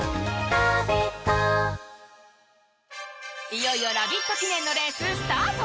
いよいよラヴィット記念のレース、スタート！